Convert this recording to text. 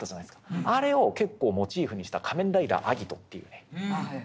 あれを結構モチーフにした「仮面ライダーアギト」という作品。